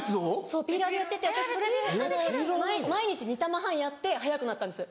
そうピーラーでやってて私それで毎日２玉半やって早くなったんです。